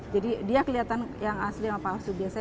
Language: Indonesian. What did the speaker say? jadi dia kelihatan yang asli sama palsu